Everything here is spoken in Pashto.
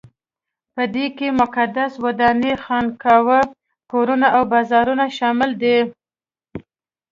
په دې کې مقدسې ودانۍ، خانقاوې، کورونه او بازارونه شامل دي.